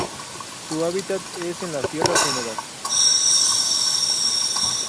Su hábitat es en las tierras húmedas.